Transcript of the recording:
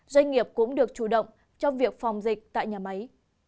doanh nghiệp cũng được chủ động trong việc phòng dịch tại nhà máy